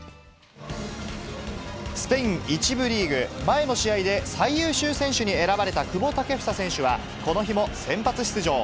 スペイン１部リーグ、前の試合で最優秀選手に選ばれた久保建英選手はこの日も先発出場。